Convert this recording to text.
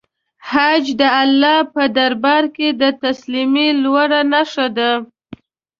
حج د الله په دربار کې د تسلیمۍ لوړه نښه ده.